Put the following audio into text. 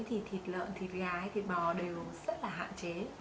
thì thịt lợn thịt gái thịt bò đều rất là hạn chế